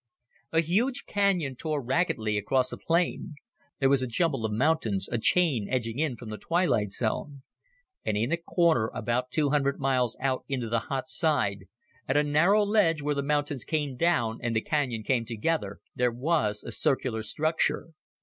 A huge canyon tore raggedly across a plain. There was a jumble of mountains, a chain edging in from the twilight zone. And in a corner, about two hundred miles out into the hot side, at a narrow ledge where the mountains came down and the canyon came together, there was a circular structure.